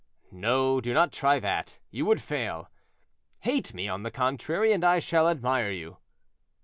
"No, do not try that; you would fail. Hate me, on the contrary, and I shall admire you."